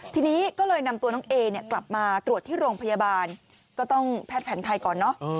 ทีนี้ก็เลยนำตัวน้องเอเนี่ยกลับมาตรวจที่โรงพยาบาลก็ต้องแพทย์แผนไทยก่อนเนอะ